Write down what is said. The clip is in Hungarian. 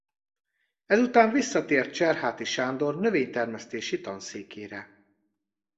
Ezután visszatért Cserháti Sándor növénytermesztési tanszékére.